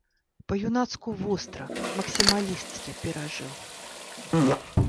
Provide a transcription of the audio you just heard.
Па-юнацку востра, максімалісцкі перажыў.